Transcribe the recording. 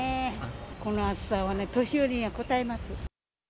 この暑さはね、年寄りにはこたえます。